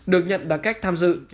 được nhận bằng cách tham dự